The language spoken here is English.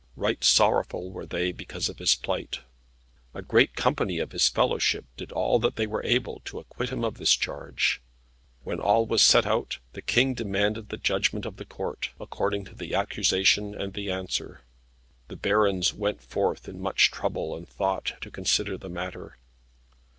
Right sorrowful were they because of his plight. A great company of his fellowship did all that they were able to acquit him of this charge. When all was set out, the King demanded the judgment of the Court, according to the accusation and the answer. The barons went forth in much trouble and thought to consider this matter.